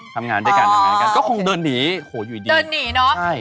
ทำงานด้วยกันก็คงเดินหนีโหอยู่ดี